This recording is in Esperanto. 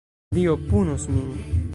Dio punos min!